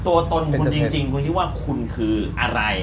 ตัวตนคุณจริงคุณคิดว่าคุณคืออะไร